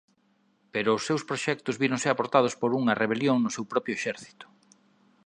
Pero os seus proxectos víronse abortados por unha rebelión no seu propio exército.